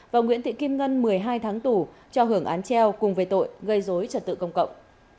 và nguyễn thị kim ngân một mươi hai tháng tù cho hưởng án treo cùng về tội gây dối trật tự công cộng